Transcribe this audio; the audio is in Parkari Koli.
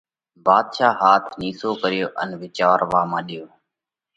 ڀاڌشا هاٿ نِيسو ڪريو ان وِيچاروا مڏيو۔